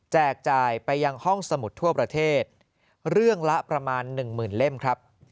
จ่ายไปยังห้องสมุดทั่วประเทศเรื่องละประมาณหนึ่งหมื่นเล่มครับ